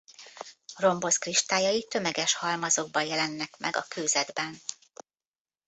Rombos kristályai tömeges halmazokban jelennek meg a kőzetben.